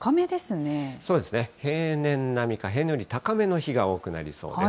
そうですね、平年並みか、平年より高めの日が多くなりそうです。